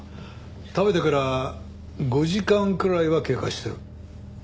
食べてから５時間くらいは経過してる。